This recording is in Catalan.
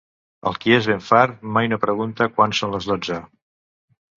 El qui és ben fart mai no pregunta quan són les dotze.